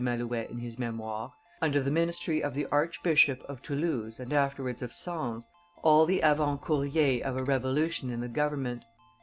Malouet in his Memoires, "under the ministry of the archbishop (of Toulouse, and afterwards of Sens), all the avant couriers of a revolution in the government.